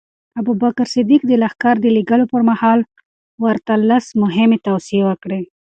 ابوبکر صدیق د لښکر د لېږلو پر مهال ورته لس مهمې توصیې وکړې.